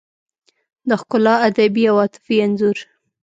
د ښکلا ادبي او عاطفي انځور